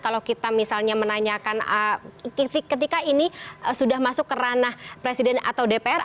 kalau kita misalnya menanyakan ketika ini sudah masuk ke ranah presiden atau dpr